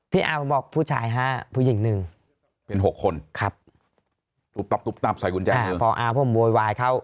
ที่อาบบอกผู้ชาย๕ผู้หญิงนึงเป็น๖คนครับตุ๊บตับสดกุญแจมือพออาผมโวยวายเขา